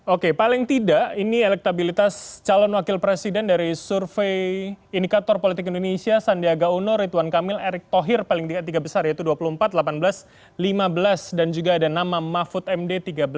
oke paling tidak ini elektabilitas calon wakil presiden dari survei indikator politik indonesia sandiaga uno ridwan kamil erick thohir paling tiga besar yaitu dua puluh empat delapan belas lima belas dan juga ada nama mahfud md tiga belas